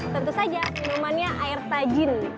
tentu saja minumannya air tajin